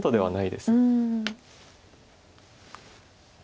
はい。